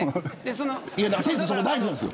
先生、そこが大事なんです